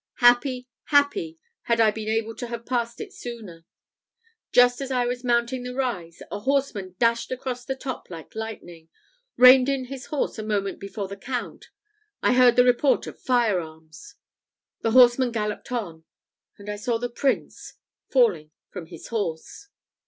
Happy, happy, had I been able to have passed it sooner! Just as I was mounting the rise, a horseman dashed across the top like lightning reined in his horse a moment before the Count I heard the report of fire arms. The horseman galloped on, and I saw the prince falling from his horse.